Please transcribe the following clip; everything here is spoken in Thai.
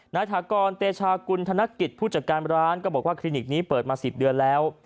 ถากรเตชากุณธนกิจผู้จัดการร้านก็บอกว่าคลินิกนี้เปิดมา๑๐เดือนแล้ว